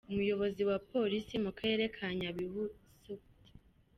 Umuyobozi wa Polisi mu karere ka Nyabihu, Supt.